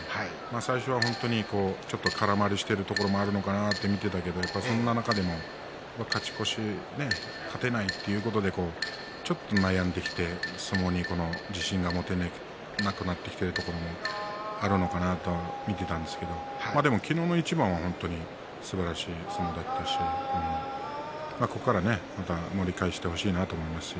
最初は、ちょっと空回りしているところもあるのかなと見ていたけど、そんな中でも勝ち越し、勝てないということでちょっと悩んできて相撲に自信が持てなくなってきているところがあるのかなと見ていたんですけどでも昨日の一番はすばらしい相撲だったしここから、また盛り返してほしいなと思います。